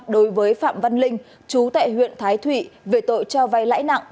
đối với phạm văn linh chú tệ huyện thái thụy về tội trao vai lãi nặng